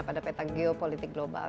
kepada peta geopolitik global